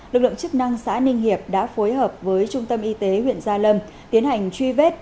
lực lượng chức năng xã ninh hiệp đã phối hợp với trung tâm y tế huyện gia lâm tiến hành truy vết